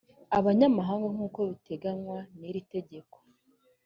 abanyamahanga nk uko biteganywa n iri tegeko